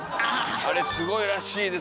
あれすごいらしいですよね。